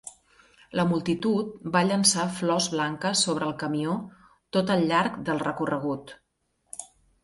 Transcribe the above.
La multitud va llançar flors blanques sobre el camió tot al llarg del recorregut.